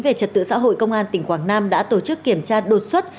về trật tự xã hội công an tỉnh quảng nam đã tổ chức kiểm tra đột xuất